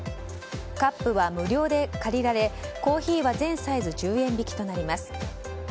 カップは無料で借りられコーヒーは全サイズ１０円引きとなります。